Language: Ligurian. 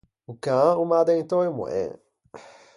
O can o m’à addentou e moen.